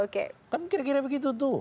kan kira kira begitu tuh